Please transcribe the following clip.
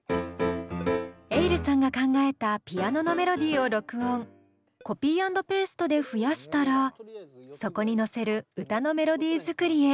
ｅｉｌｌさんが考えたピアノのメロディーを録音コピー＆ペーストで増やしたらそこに乗せる歌のメロディー作りへ。